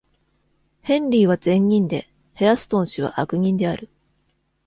ヘンリーは善人で、へアストン氏は悪人である。